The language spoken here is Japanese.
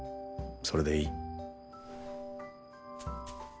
それでいい。